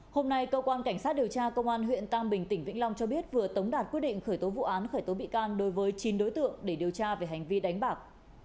hôm nay cơ quan cảnh sát điều tra công an huyện tam bình tỉnh vĩnh long cho biết vừa tống đạt quyết định khởi tố vụ án khởi tố bị can đối với chín đối tượng để điều tra về hành vi đánh bạc